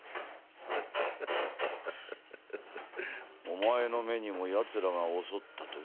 お前の目にもヤツらが襲ったと？